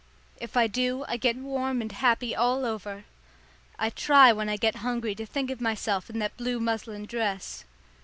If I do, I get warm and happy all over. I try when I get hungry to think of myself in that blue muslin dress.